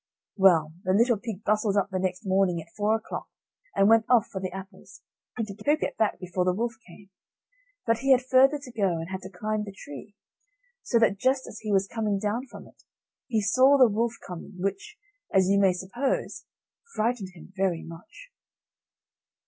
Well, the little pig bustled up the next morning at four o'clock, and went off for the apples, hoping to get back before the wolf came; but he had further to go, and had to climb the tree, so that just as he was coming down from it, he saw the wolf coming, which, as you may suppose, frightened him very much.